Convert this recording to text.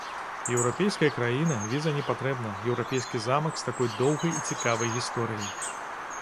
Еўрапейская краіна, віза не патрэбна, еўрапейскі замак з такой доўгай і цікавай гісторыяй.